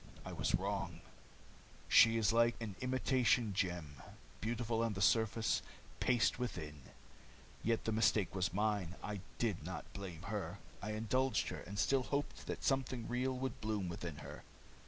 I was wrong. She is like an imitation gem beautiful on the surface, paste within. Yet the mistake was mine, and I did not blame her. I indulged her, and still hoped that something real would bloom within her."